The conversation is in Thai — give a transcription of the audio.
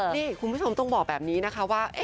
นี่คุณผู้ชมต้องบอกแบบนี้นะคะว่า